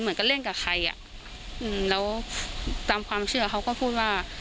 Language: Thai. กันเล่นกับใครอ่ะอืมแล้วตามความเชื่อเขาก็พูดว่า